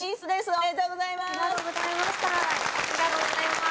おめでとうございます！